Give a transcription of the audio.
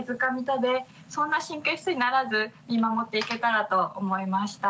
食べそんな神経質にならず見守っていけたらと思いました。